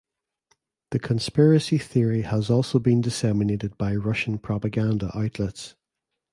The conspiracy theory has also been disseminated by Russian propaganda outlets.